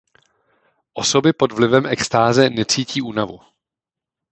Osoby pod vlivem extáze necítí únavu.